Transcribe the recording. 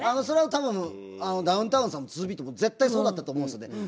それは多分ダウンタウンさんもツービートも絶対そうだったと思うんですね。